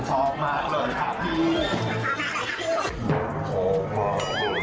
คนไหนกระติ๊บ